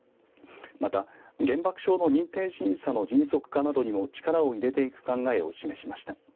また、原爆症の認定審査の迅速化などにも力を入れていく考えを示しました。